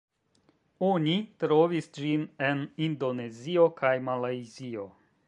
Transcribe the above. Oni trovis ĝin en Indonezio kaj Malajzio.